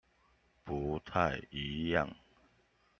不太一樣